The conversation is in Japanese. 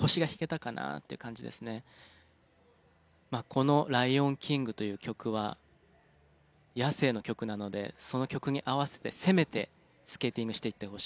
この『ライオン・キング』という曲は野性の曲なのでその曲に合わせて攻めてスケーティングしていってほしかったですね。